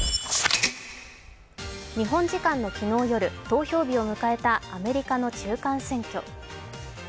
日本時間の昨日夜、投票日を迎えたアメリカの中間選挙。